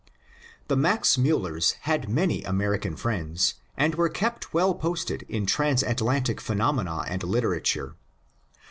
The Max Miillers had many American friends, and were kept well posted in transatlantic phenomena and literature.